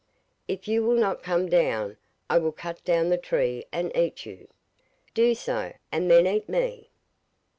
'If you will not come down I will cut down the tree and eat you.' 'Do so, and then eat me.